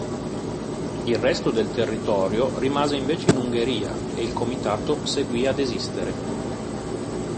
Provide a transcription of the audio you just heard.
Il resto del territorio rimase invece in Ungheria e il comitato seguì ad esistere.